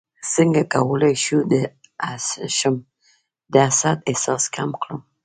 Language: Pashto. څنګه کولی شم د حسد احساس کم کړم